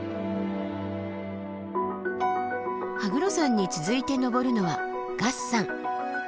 羽黒山に続いて登るのは月山。